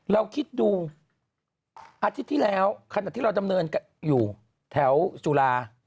เราคิดดูอาทิตย์ที่แล้วขณะที่เราดำเนินอยู่แถวจุฬา